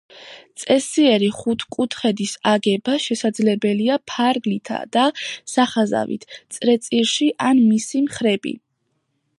წესიერი ხუთკუთხედის აგება შესაძლებელია ფარგლითა და სახაზავით წრეწირში ან მისი მხები.